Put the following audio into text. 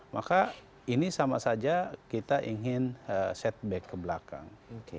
maka ini sama saja kita ingin setback ke belakang